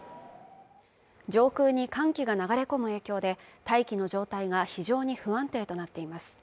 上空に寒気が流れ込む影響で大気の状態が非常に不安定となっています。